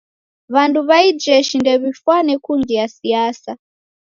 W'andu w'a ijeshi ndew'ifane kungia siasa.